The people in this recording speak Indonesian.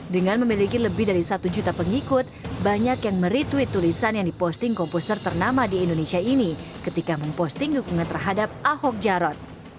dengan memiliki lebih dari satu juta pengikut banyak yang meretweet tulisan yang diposting komposer ternama di indonesia ini ketika memposting dukungan terhadap ahok jarot